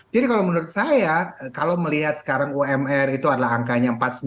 jadi kalau menurut saya kalau melihat sekarang umr itu adalah angkanya empat puluh sembilan